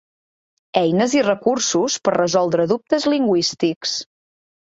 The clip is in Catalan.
Eines i recursos per resoldre dubtes lingüístics.